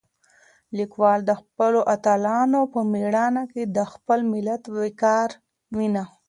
لیکوال د خپلو اتلانو په مېړانه کې د خپل ملت وقار وینه.